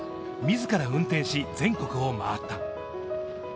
自ら運転し全国を回った。